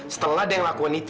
setelah dia ngelakuin itu